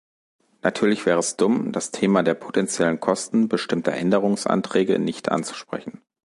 Natürlich wäre es dumm, das Thema der potentiellen Kosten bestimmter Änderungsanträge nicht anzusprechen.